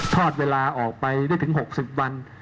อดเวลาออกไปได้ถึง๖๐วัน